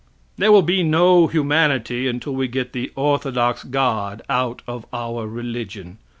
There will be no humanity until we get the orthodox God out of our religion.